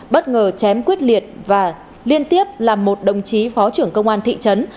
bất ngờ chém quyết liệt và liên tiếp làm một đồng chí phó trưởng công an thị trấn